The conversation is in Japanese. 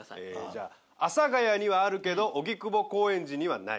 じゃあ阿佐ヶ谷にはあるけど荻窪・高円寺にはない。